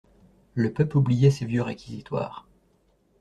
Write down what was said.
Le peuple oubliait ces vieux réquisitoires.